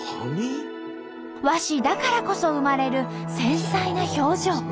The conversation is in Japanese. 和紙だからこそ生まれる繊細な表情。